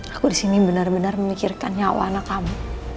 aku di sini benar benar memikirkan nyawa anak kamu